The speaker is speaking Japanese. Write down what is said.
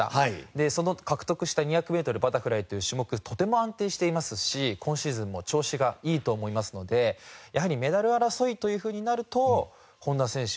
でその獲得した２００メートルバタフライという種目とても安定していますし今シーズンも調子がいいと思いますのでやはりメダル争いというふうになると本多選手